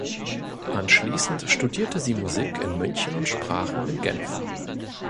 Anschließend studierte sie Musik in München und Sprachen in Genf.